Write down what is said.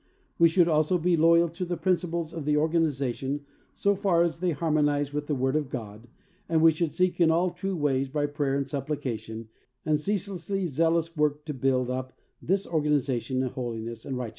We should also be loyal to the principles of the organization so far as they harmon ize with the word of God, and we should seek in all true ways, by prayer and suppli cation and ceaselessly zealous work to build up this organization in holiness and right 30 THE soul winner's SECRET.